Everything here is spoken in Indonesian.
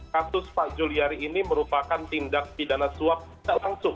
kasus pak juliari ini merupakan tindak pidana suap tidak langsung